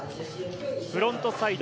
フロントサイド。